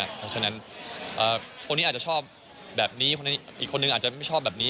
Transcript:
เพราะฉะนั้นคนนี้อาจจะชอบแบบนี้อีกคนนึงอาจจะไม่ชอบแบบนี้